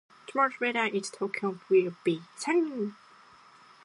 Tomorrow's weather in Tokyo will be sunny.